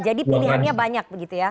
jadi pilihannya banyak begitu ya